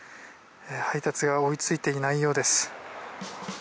配達が追いついていないようです。